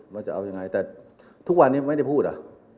มันจะเอายังไงแต่ทุกวันนี้ไม่ได้พูดอ่ะ